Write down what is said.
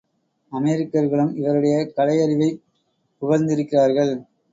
அமெரிக்கர்களும் இவருடைய கலையறிவைப் புகழ்ந்திருக்கிறார்கள்.